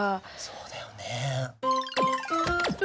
そうだよね。